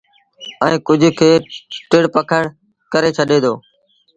ائيٚݩٚ ڪجھ کي ٽڙ پکڙ ڪري ڇڏي دو۔